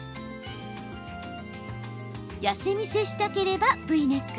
痩せ見せしたければＶネック。